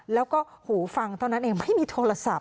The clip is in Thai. แล้วก็หูฟังเท่านั้นเองไม่มีโทรศัพท์